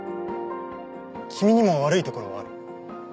「君にも悪いところはある」